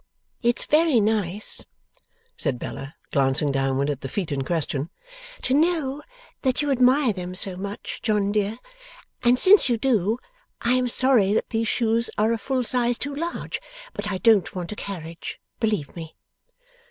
'It's very nice,' said Bella, glancing downward at the feet in question, 'to know that you admire them so much, John dear, and since you do, I am sorry that these shoes are a full size too large. But I don't want a carriage, believe me.